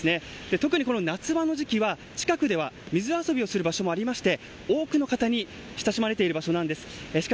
特に夏場の時期は近くでは水遊びをする場所もあって多くの方に親しまれている場所なんです。